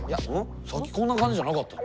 さっきこんな感じじゃなかったで。